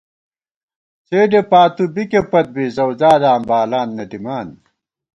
څېڈے پاتُو بِکے پت بی زَؤزاداں بالان نہ دِمان